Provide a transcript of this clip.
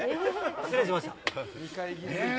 失礼しました。